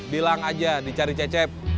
bilang aja dicari cecep